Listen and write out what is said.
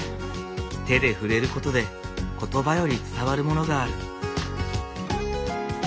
手で触れることで言葉より伝わるものがある。